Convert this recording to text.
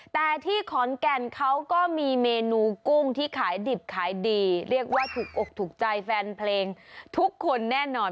แต่ที่ขอนแก่นเขาก็มีเมนูกุ้งที่ขายดิบขายดีเรียกว่าถูกอกถูกใจแฟนเพลงทุกคนแน่นอน